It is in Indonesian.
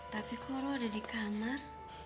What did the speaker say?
tapi kok lu ada di kamar